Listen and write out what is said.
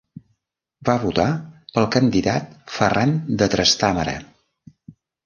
Va votar pel candidat Ferran de Trastàmara.